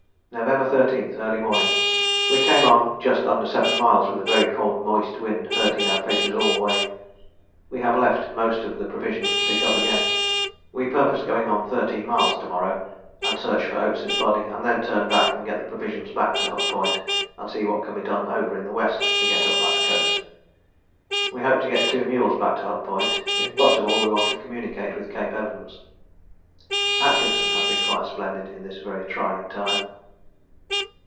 November 13. Early morning. We came on just under seven miles with a very cold moist wind hurting our faces all the way. We have left most of the provisions to pick up again. We purpose going on thirteen miles to morrow and search for Oates' body, and then turn back and get the provisions back to Hut Point and see what can be done over in the west to get up that coast. We hope to get two mules back to Hut Point. If possible, we want to communicate with Cape Evans. Atkinson has been quite splendid in this very trying time.